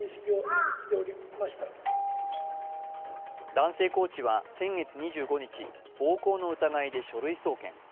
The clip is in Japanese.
男性コーチは先月２５日、暴行の疑いで書類送検。